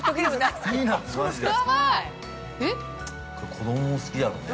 ◆子供も好きやろね。